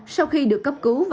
sau khi được cấp cứu